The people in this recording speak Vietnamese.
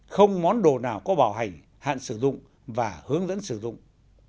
không món đồ nào có bảo hành hạn sử dụng và hướng dẫn sử dụng